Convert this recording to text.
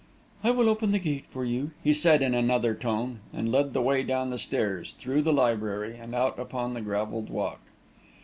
"I will open the gate for you," he said, in another tone, and led the way down the stairs, through the library, and out upon the gravelled walk.